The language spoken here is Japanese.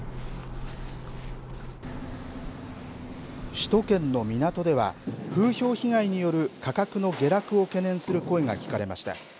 首都圏の港では風評被害による価格の下落を懸念する声が聞かれました。